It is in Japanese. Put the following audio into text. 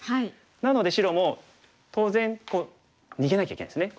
なので白も当然逃げなきゃいけないですね。